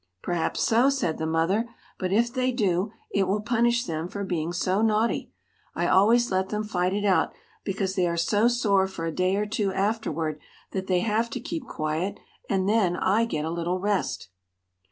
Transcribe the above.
"Perhaps so," said the mother; "but if they do, it will punish them for being so naughty. I always let them fight it out, because they are so sore for a day or two afterward that they have to keep quiet, and then I get a little rest."